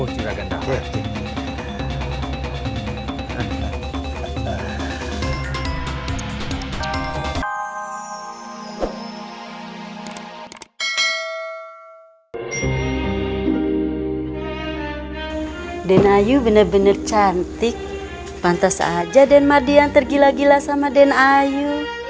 denayu bener bener cantik pantas aja denmar diantar gila gila sama denayu